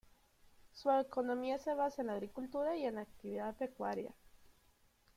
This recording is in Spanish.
Su economía se basa en la agricultura y en la actividad pecuaria.